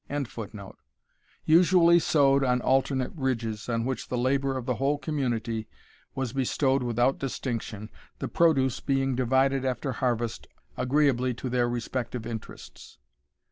] usually sowed on alternate ridges, on which the labour of the whole community was bestowed without distinction, the produce being divided after harvest, agreeably to their respective interests.